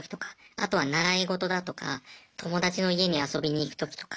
あとは習い事だとか友達の家に遊びに行く時とか。